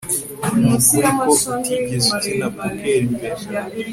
nukuri ko utigeze ukina poker mbere